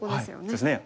そうですね。